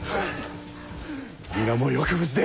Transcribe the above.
皆もよく無事で！